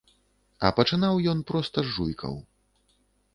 А пачынаў ён проста з жуйкаў.